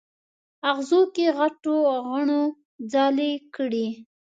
اغزو کې غټو غڼو ځالې کړي